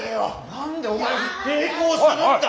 何でお前抵抗するんだ！